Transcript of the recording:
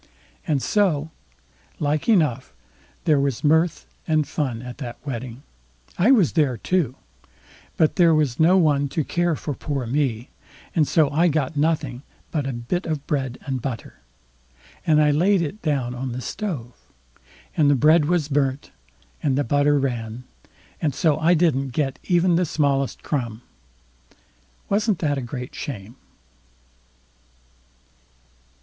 And so, like enough, there was mirth and fun at that wedding. I was there too; but there was no one to care for poor me; and so I got nothing but a bit of bread and butter, and I laid it down on the stove, and the bread was burnt and the butter ran, and so I didn't get even the smallest crumb. Wasn't that a great shame?